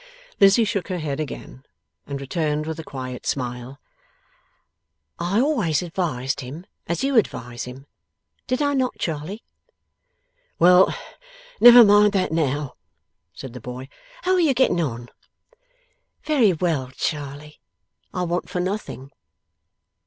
Lizzie shook her head again, and returned, with a quiet smile: 'I always advised him as you advise him. Did I not, Charley?' 'Well, never mind that now,' said the boy. 'How are you getting on?' 'Very well, Charley. I want for nothing.